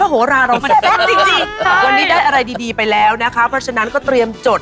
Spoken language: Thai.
จริงวันนี้ได้อะไรดีไปแล้วนะคะเพราะฉะนั้นก็เตรียมจด